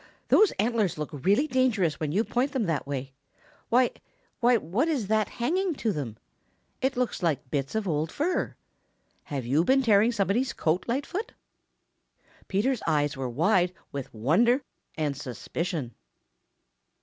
"Those antlers look really dangerous when you point them that way. Why why what is that hanging to them? It looks like bits of old fur. Have you been tearing somebody's coat, Lightfoot?" Peter's eyes were wide with wonder and suspicion.